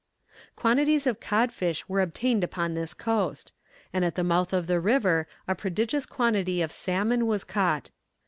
Quantities of cod fish were obtained upon this coast; and at the mouth of the river a prodigious quantity of salmon was caught.